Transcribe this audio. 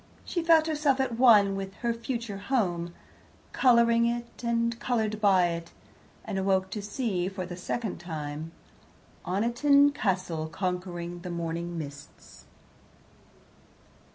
She felt herself at one with her future home, colouring it and coloured by it, and awoke to see, for the second time, Oniton Castle conquering the morning mists.